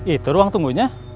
itu ruang tunggunya